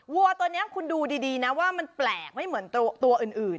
วัวตัวนี้คุณดูดีนะว่ามันแปลกไม่เหมือนตัวอื่น